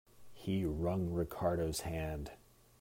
He wrung Ricardo's hand.